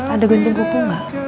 ada gue nunggu bupuk gak